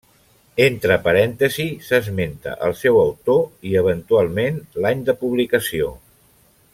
Entre parèntesis s'esmenta el seu autor i, eventualment, l'any de publicació.